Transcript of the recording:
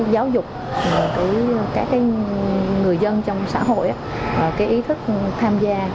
giáo dục của các người dân trong xã hội ý thức tham gia